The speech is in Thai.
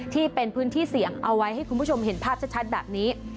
ที่เป็นพื้นที่เสี่ยงเอาไว้ให้คุณผู้ชมเห็นภาพชัดแบบนี้